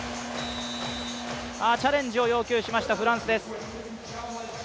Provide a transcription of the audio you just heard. チャレンジを要求しましたフランスです。